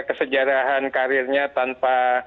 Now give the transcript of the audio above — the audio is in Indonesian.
kesejarahan karirnya tanpa